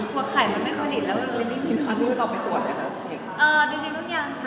กลัวไข่มันไม่ผลิตแล้วเรื่องนี้ดีมาก